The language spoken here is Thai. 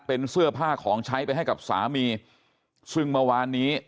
เป็นเสื้อผ้าของใช้ไปให้กับสามีซึ่งเมื่อวานนี้